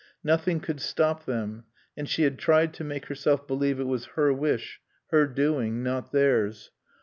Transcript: Nothing could stop them. And she had tried to make herself believe it was her wish, her doing, not theirs.